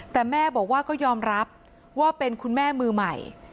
แต่แม่บอกว่าก็ยอมรับว่าเป็นคุณแม่มือใหม่